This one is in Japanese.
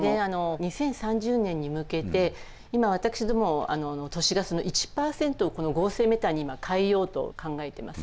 ２０３０年に向けて今私ども都市ガスの１％をこの合成メタンに今変えようと考えてます。